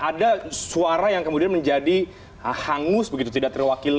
ada suara yang kemudian menjadi hangus begitu tidak terwakili